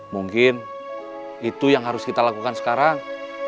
mungkin itu yang harus kita lakukan sekarang